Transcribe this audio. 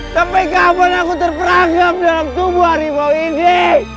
sampai kapan aku terperangkap dalam tubuh harimau ini